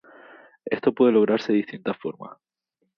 Esto puede lograrse de distintas formas.